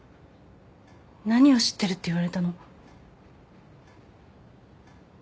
何を知ってるって言われたの？